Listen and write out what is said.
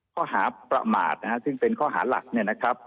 ข้อหาประมาทนะฮะซึ่งเป็นข้อหาหลักเนี่ยนะครับ